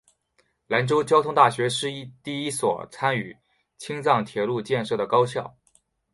兰州交通大学是第一所参与青藏铁路建设的高校。